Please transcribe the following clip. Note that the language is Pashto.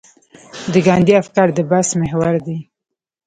د ګاندي افکار د بحث محور دي.